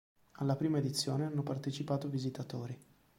Alla prima edizione hanno partecipato visitatori.